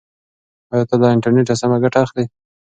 ایا ته له انټرنیټه سمه ګټه اخلې؟